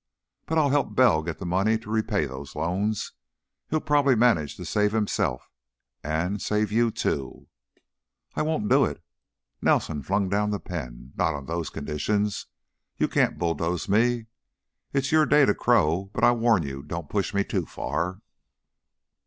But I'll help Bell get the money to repay those loans. He'll probably manage to save himself and save you, too." "I won't do it!" Nelson flung down the pen. "Not on those conditions. You can't bulldoze me. It's your day to crow, but, I warn you, don't push me too far."